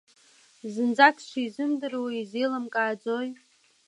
Зынӡак сшизымдыруа изеилымкааӡои?